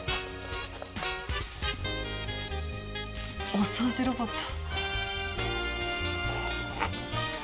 お掃除ロボット。